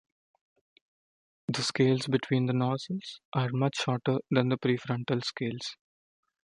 The scales between the nostrils are much shorter than the prefrontal scales.